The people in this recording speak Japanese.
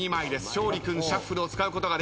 勝利君シャッフルを使うことができません。